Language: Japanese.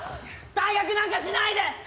退学なんかしないで！